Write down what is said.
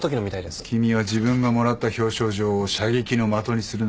君は自分がもらった表彰状を射撃の的にするのか？